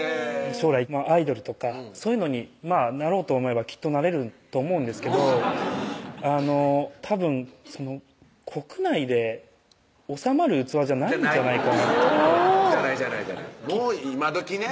将来アイドルとかそういうのになろうと思えばきっとなれると思うんですけどたぶん国内で収まる器じゃないんじゃないかなじゃないじゃないじゃない今時ね